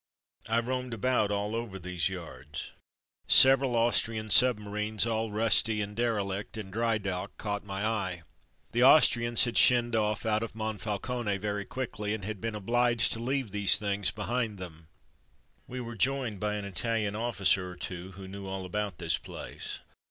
I roamed about all over these yards. Sev eral Austrian submarines, all rusty and derelict, in dry dock, caught my eye. The Austrians had shinned off^ out of Monfal cone very quickly, and had been obliged to leave these things behind them. We were joined by an Italian officer or two who knew all about this place.